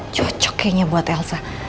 cocok kayaknya buat elsa